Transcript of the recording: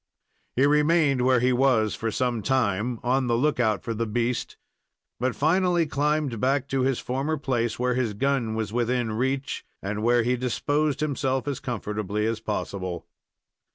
He remained where he was for some time, on the look out for the beast, but finally climbed back to his former place, where his gun was within reach, and where he disposed of himself as comfortably as possible.